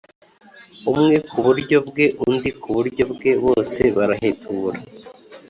umwe ku buryo bwe undi ku buryo bwe, bose barahetura